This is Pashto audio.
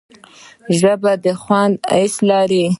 ژبه د خوند حس لري